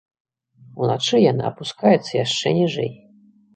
Уначы яна апускаецца яшчэ ніжэй.